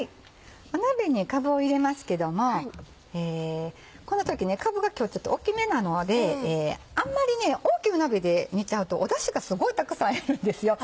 鍋にかぶを入れますけどもかぶが今日ちょっと大っきめなのであんまり大きな鍋で煮ちゃうとだしがすごいたくさんいるんですよ。